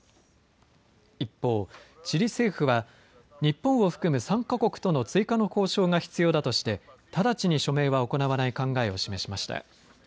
一方、チリ政府は日本を含む参加国との追加の交渉が必要だとして直ちに署名は行わない考えを示しました。